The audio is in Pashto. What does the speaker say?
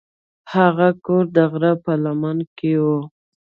هغه کور د غره په لمن کې و.